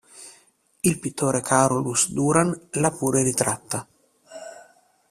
Il pittore Carolus Duran l'ha pure ritratta.